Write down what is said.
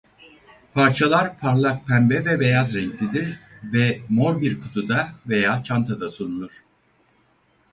Parçalar parlak pembe ve beyaz renklidir ve mor bir kutuda veya çantada sunulur.